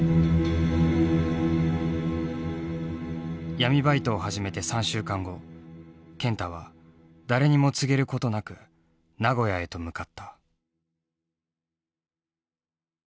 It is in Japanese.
闇バイトを始めて３週間後健太は誰にも告げることなく名古屋へと向かった。